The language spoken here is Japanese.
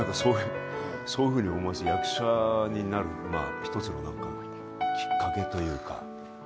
そういうふうに思わせる役者になる一つのきっかけというか。